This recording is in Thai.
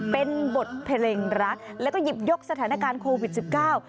เป็นบทเพลงรักแล้วก็หยิบยกสถานการณ์โควิดสิบเก้า